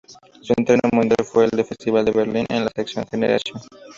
Su estreno mundial fue en el Festival de Berlín, en la sección "Generation".